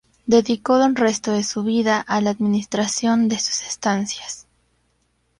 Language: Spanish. Dedicó el resto de su vida a la administración de sus estancias.